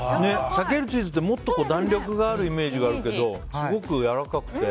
さけるチーズってもっと弾力があるイメージがあるけどすごくやわらかくて。